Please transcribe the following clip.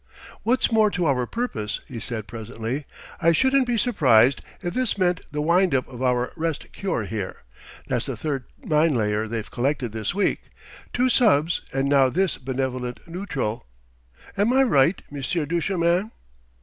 "What's more to our purpose," he said presently: "I shouldn't be surprised if this meant the wind up of our rest cure here. That's the third mine layer they've collected this week two subs, and now this benevolent nootral. Am I right, Monsieur Duchemin?"